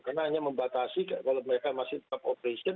karena hanya membatasi kalau mereka masih tetap operation